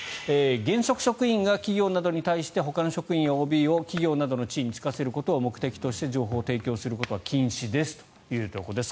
現職職員が企業などに対してほかの職員やＯＢを企業などの地位に就かせることを目的として情報を提供することは禁止ですということです。